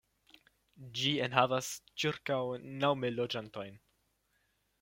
Ĝi enhavas ĉirkaŭ naŭ mil loĝantojn.